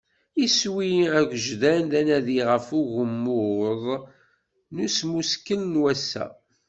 Iswi agejdan d anadi ɣef ugmmuḍ n usmeskel n wass-a.